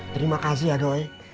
terima kasih ya doi